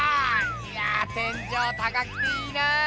いや天じょう高くていいなあ！